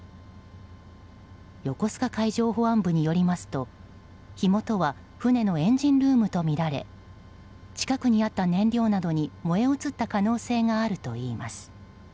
横須賀海上保安部によりますと火元は船のエンジンルームとみられ近くにあった燃料などに燃え移った可能性があるといいます。